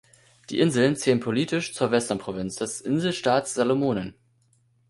Die Inseln zählen politisch zur Western-Provinz des Inselstaats Salomonen.